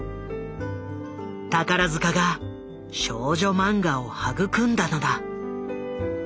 宝塚が少女マンガを育んだのだ。